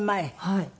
はい。